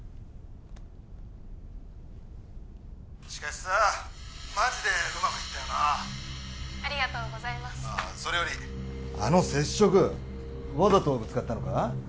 しかしさマジでうまくいったよなありがとうございますそれよりあの接触わざとぶつかったのか？